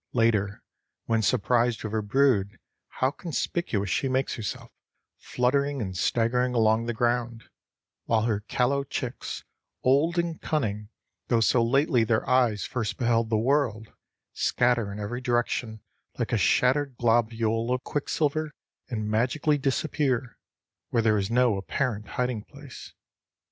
Later, when surprised with her brood, how conspicuous she makes herself, fluttering and staggering along the ground, while her callow chicks, old in cunning though so lately their eyes first beheld the world, scatter in every direction like a shattered globule of quicksilver and magically disappear where there is no apparent hiding place.